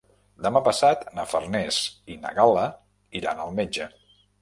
Demà passat na Farners i na Gal·la iran al metge.